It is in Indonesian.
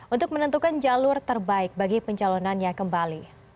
untuk menentukan jalur terbaik bagi pencalonannya kembali